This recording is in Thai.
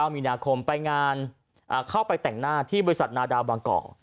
มีนาคมไปงานเข้าไปแต่งหน้าที่บริษัทนาดาบางกอก